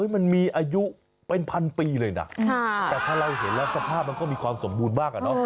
มันมีอายุเป็นพันปีเลยนะแต่ถ้าเราเห็นแล้วสภาพมันก็มีความสมบูรณ์มากอะเนาะ